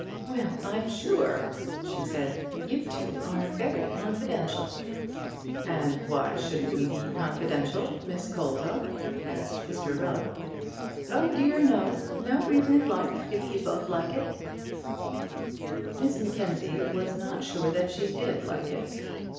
"Well, I'm sure," she said; "you two are very confidential." "And why shouldn't we be confidential, Miss Colza?" asked Mr Rubb. "Oh, dear! no reason in life, if you both like it." Miss Mackenzie was not sure that she did like it.